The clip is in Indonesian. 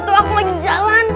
tuh aku lagi jalan